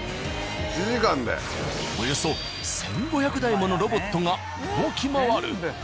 およそ１５００台ものロボットが動き回る。